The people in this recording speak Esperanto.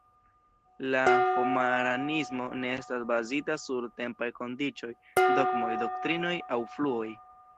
La homaranismo ne estas bazita sur tempaj kondiĉoj, dogmoj, doktrinoj aŭ fluoj.